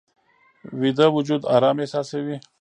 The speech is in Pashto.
ویده وجود آرام احساسوي